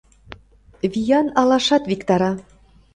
Виян алашат виктара.